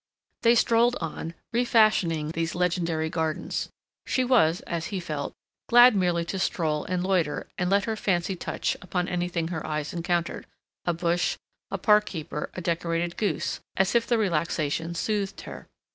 They strolled on, refashioning these legendary gardens. She was, as he felt, glad merely to stroll and loiter and let her fancy touch upon anything her eyes encountered—a bush, a park keeper, a decorated goose—as if the relaxation soothed her.